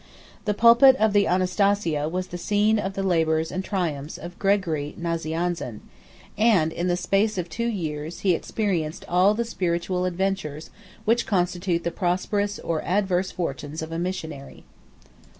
32 The pulpit of the Anastasia was the scene of the labors and triumphs of Gregory Nazianzen; and, in the space of two years, he experienced all the spiritual adventures which constitute the prosperous or adverse fortunes of a missionary.